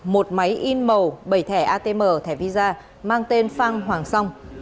một máy in màu bảy thẻ atm thẻ visa mang tên phan hoàng song